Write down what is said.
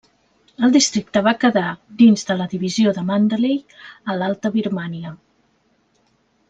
El districte va quedar dins de la divisió de Mandalay a l'Alta Birmània.